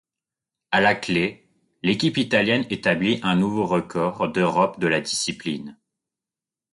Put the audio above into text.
À la clé, l'équipe italienne établit un nouveau record d'Europe de la discipline.